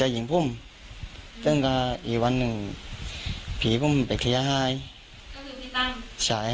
ไปเรียบร้อยก็เบื่อมาไปกันพื้นคุยอย่างปกติก็จะไม่มันออกมาส์